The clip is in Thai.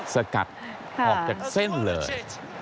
สกัดออกจากเส้นเลย